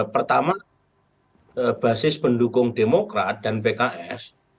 pertama basis pendukung demokrat dan pks